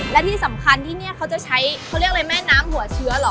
และที่สำคัญที่นี่เขาจะใช้เขาเรียกอะไรแม่น้ำหัวเชื้อเหรอ